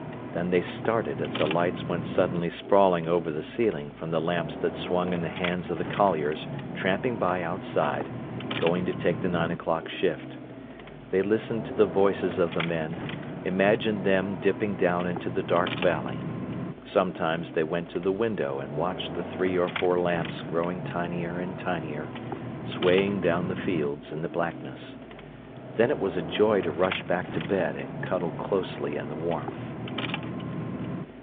Then they started as the lights went suddenly sprawling over the ceiling from the lamps that swung in the hands of the colliers tramping by outside, going to take the nine o'clock shift. They listened to the voices of the men, imagined them dipping down into the dark valley. Sometimes they went to the window and watched the three or four lamps growing tinier and tinier, swaying down the fields in the darkness. Then it was a joy to rush back to bed and cuddle closely in the warmth.